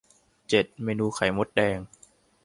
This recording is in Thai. เจ็ด เมนูไข่มดแดง